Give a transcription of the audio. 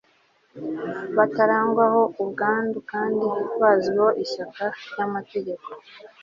batarangwaho ubwandu kandi bazwiho ishyaka ry'amategeko